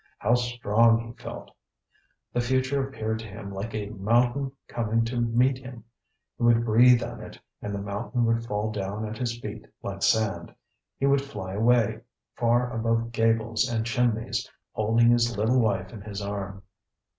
How strong he felt! The future appeared to him like a mountain coming to meet him. He would breathe on it and the mountain would fall down at his feet like sand; he would fly away, far above gables and chimneys, holding his little wife in his arm.